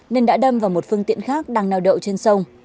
nên đã đâm vào một phương tiện khác đang neo đậu trên sông